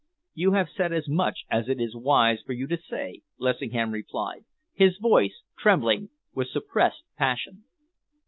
"You have said as much as it is wise for you to say," Lessingham replied, his voice trembling with suppressed passion.